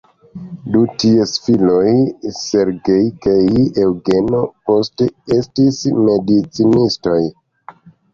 Du ties filoj "Sergej" kaj "Eŭgeno" poste estis medicinistoj.